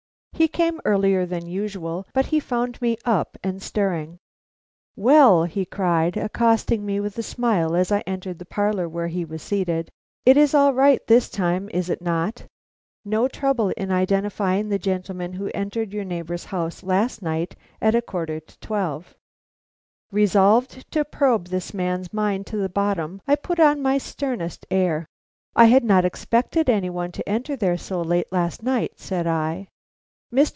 He came earlier than usual, but he found me up and stirring. "Well," he cried, accosting me with a smile as I entered the parlor where he was seated, "it is all right this time, is it not? No trouble in identifying the gentleman who entered your neighbor's house last night at a quarter to twelve?" Resolved to probe this man's mind to the bottom, I put on my sternest air. "I had not expected any one to enter there so late last night," said I. "Mr.